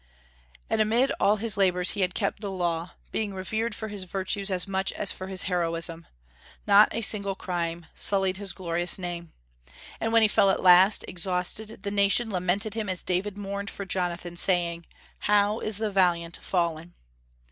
And amid all his labors he had kept the Law, being revered for his virtues as much as for his heroism. Not a single crime sullied his glorious name. And when he fell at last, exhausted, the nation lamented him as David mourned for Jonathan, saying, "How is the valiant fallen!"